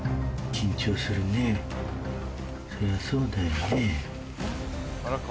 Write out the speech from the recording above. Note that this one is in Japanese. そりゃそうだよね。